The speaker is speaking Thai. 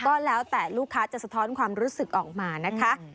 ก็แล้วแต่ลูกค้าจะสะท้อนความรู้สึกออกมานะคะ